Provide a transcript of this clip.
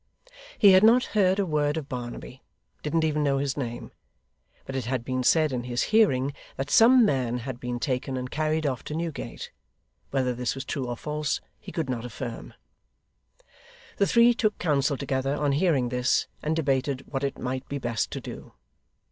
He had not heard a word of Barnaby didn't even know his name but it had been said in his hearing that some man had been taken and carried off to Newgate. Whether this was true or false, he could not affirm. The three took counsel together, on hearing this, and debated what it might be best to do.